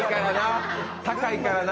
高いからな。